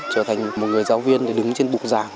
trở thành một người giáo viên để đứng trên bục giảng